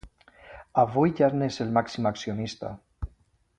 Avui ja n’és el màxim accionista.